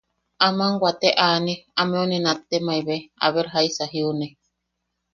Aman wate aane, ameu ne nattemaebae, a ver jaisa jiune.